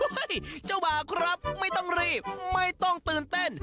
เจ้าบ่าครับไม่ต้องรีบไม่ต้องตื่นเต้น